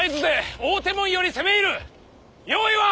用意は！